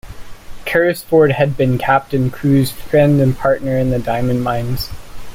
Carrisford had been Captain Crewe's friend and partner in the diamond mines.